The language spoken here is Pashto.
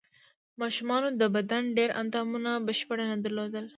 ماشومانو د بدن ډېر اندامونه بشپړ نه درلودل.